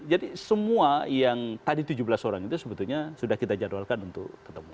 jadi semua yang tadi tujuh belas orang itu sebetulnya sudah kita jadwalkan untuk ketemu